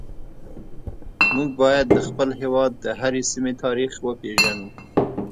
موږ باید د خپل هیواد د هرې سیمې تاریخ وپیژنو